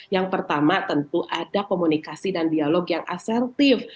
yang pertama tentu ada komunikasi dan dialog yang asertif